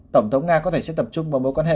tổng thống nga có thể sẽ tập trung vào mối quan hệ